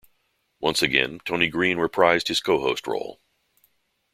Once again, Tony Green reprised his co-host role.